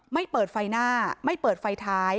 ไม่เปิดไฟหน้าไม่เปิดไฟท้าย